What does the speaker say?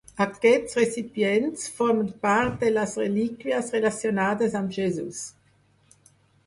Aquests recipients formen part de les relíquies relacionades amb Jesús.